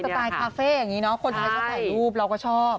สไตล์คาเฟ่อย่างนี้คนไทยก็แต่รูปเราก็ชอบ